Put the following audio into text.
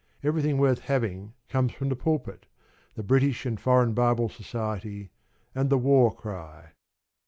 Everything worth having comes from the pulpit, the British and Foreign Bible Society, and the War Cry.